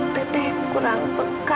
teteh kurang peka